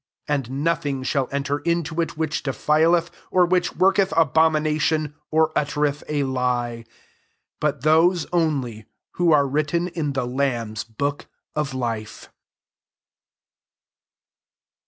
27 And nothing shall enter into it which defileth, or which worketh abomination, or uttereth a lie: but those only who are written in the lamb's book of life.